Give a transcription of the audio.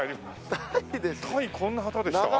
こんな旗でした？